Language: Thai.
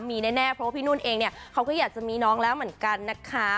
มีแน่เพราะว่าพี่นุ่นเองเนี่ยเขาก็อยากจะมีน้องแล้วเหมือนกันนะคะ